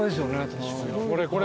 確かに。